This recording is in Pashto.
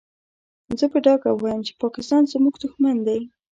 زه په ډاګه وايم چې پاکستان زموږ دوښمن دی.